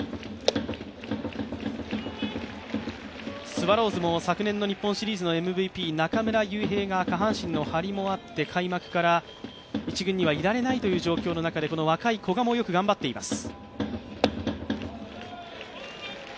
スワローズも昨年の日本シリーズのＭＶＰ、中村悠平が下半身の張りもあって、開幕から１軍にはいられないという状況の中で若い古賀もよく頑張っています。